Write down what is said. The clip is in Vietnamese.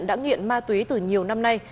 đã nghiện ma túy từ nhiều năm nay